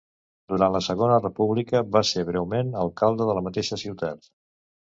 Durant la segona república va ser breument alcalde de la mateixa ciutat.